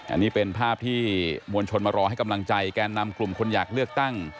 อันนี้เป็นภาพที่มวลชนมารอให้กำลังใจแกนนำกลุ่มคนอยากเลือกตั้ง